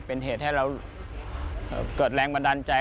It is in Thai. เป็นเหตุให้เราเกิดแรงบันดาลใจ